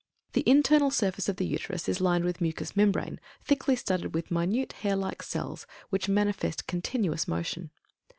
The internal surface of the Uterus is lined with mucous membrane thickly studded with minute hairlike cells which manifest continuous motion.